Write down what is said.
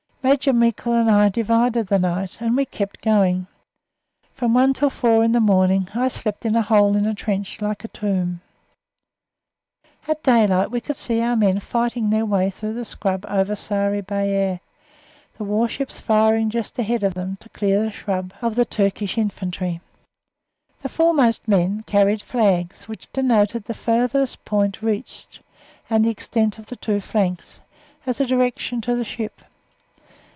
Major Meikle and I divided the night, and we were kept going. From one until four in the morning I slept in a hole in a trench like a tomb. At daylight we could see our men righting their way through the scrub over Sari Bair, the warships firing just ahead of them to clear the scrub of the Turkish Infantry. The foremost men carried flags, which denoted the farthest point reached and the extent of the two flanks, as a direction to the ship.